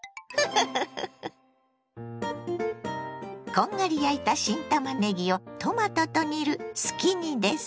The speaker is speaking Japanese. こんがり焼いた新たまねぎをトマトと煮るすき煮です。